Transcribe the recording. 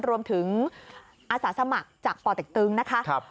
รวมถึงอาสาสมัครจากป่อเต็กตึงนะคะ